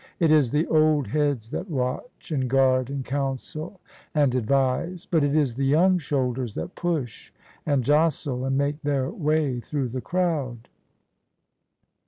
It is the old heads that watch and guard and counsel and advise: but it is the young shoulders that push and jostle and make their way through the crowd.